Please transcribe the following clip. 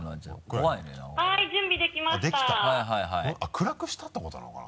暗くしたってことなのかな？